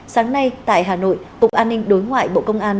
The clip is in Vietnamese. sáng nay tại hà nội cục an ninh đối ngoại bộ công an